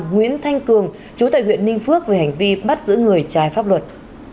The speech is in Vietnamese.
nguyễn thanh cường chú tại huyện ninh phước về hành vi bắt giữ người trái pháp luật